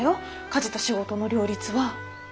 家事と仕事の両立は。